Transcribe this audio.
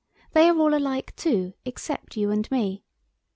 They are all alike too, except you and me.